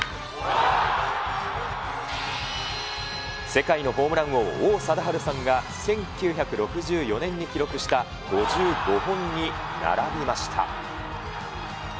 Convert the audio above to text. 世界のホームラン王、王貞治さんが１９６４年に記録した５５本に並びました。